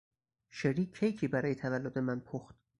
شری کیکی برای تولد من پخت.